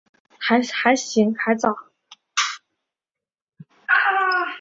祖父鲍受卿。